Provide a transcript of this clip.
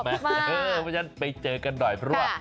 เพราะฉะนั้นไปเจอกันหน่อยเพราะว่า